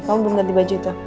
kamu belum ngerti baju itu